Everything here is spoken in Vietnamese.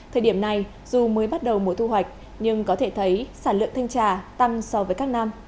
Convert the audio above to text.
thời điểm này dù mới bắt đầu mùa thu hoạch nhưng có thể thấy sản lượng thanh trà tăng so với các năm